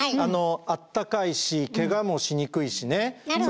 あったかいしけがもしにくいしね。なるほど。